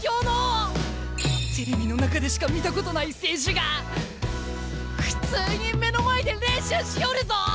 テレビの中でしか見たことない選手が普通に目の前で練習しよるぞぉ！